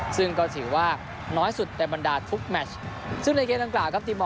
ซึ่งเขาถือว่าน้อยสุดแบบบรรดาทุกแมทช์ซึ่งในเกมด้านขวาครับ